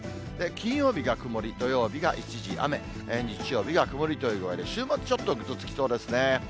金曜日が曇り、土曜日が一時雨、日曜日が曇りという具合で、週末ちょっとぐずつきそうですね。